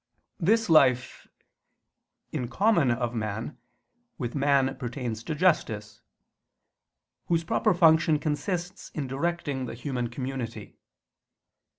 This life in common of man with man pertains to justice, whose proper function consists in directing the human community.